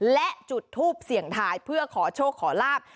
และจุดทูปเสี่ยงทายเพื่อขอโชคขอลาบ